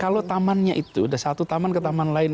kalau tamannya itu ada satu taman ke taman lain